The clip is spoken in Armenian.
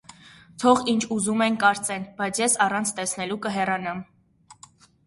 Թող ինչ ուզում են կարծեն, բայց ես առանց տեսնելու կհեռանամ…